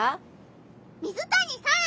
水谷さん